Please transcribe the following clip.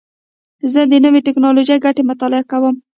زه د نوې ټکنالوژۍ ګټې مطالعه کوم.